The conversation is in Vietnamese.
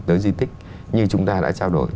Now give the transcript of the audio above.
tới di tích như chúng ta đã trao đổi